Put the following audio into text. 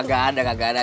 gak ada gak ada